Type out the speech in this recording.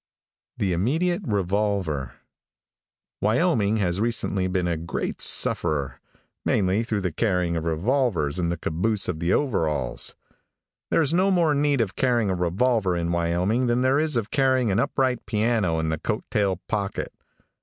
THE IMMEDIATE REVOLTER |WYOMING has recently been a great sufferer, mainly through the carrying of revolvers in the caboose of the overalls. There is no more need of carrying a revolver in Wyoming than there is of carrying an upright piano in the coat tail pocket.